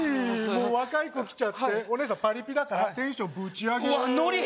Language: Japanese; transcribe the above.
もう若い子来ちゃってお姉さんパリピだからテンションブチ上げうわっノリ